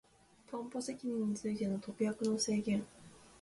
担保責任についての特約の制限